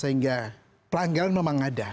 sehingga pelanggaran memang ada